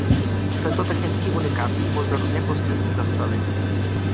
Na tento technický unikát upozorňuje poslední zastavení.